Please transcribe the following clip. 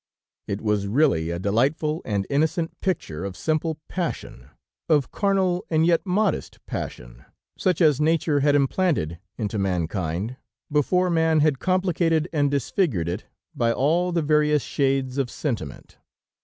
It was really a delightful and innocent picture of simple passion, of carnal and yet modest passion, such as nature had implanted into mankind, before man had complicated and disfigured it, by all the various shades of sentiment.